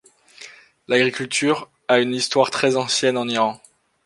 L'agriculture a une histoire très ancienne en Iran.